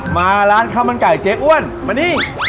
มาร้านข้าวมันไก่เจ๊อ้วนมานี่